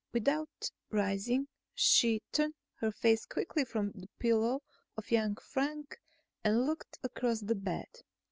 Without rising, she turned her face quickly from the pillow of young Frank and looked across the bed.